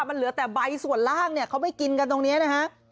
มันเหลือแต่ใบส่วนล่างเนี่ยเขาไม่กินกันตรงนี้นะฮะ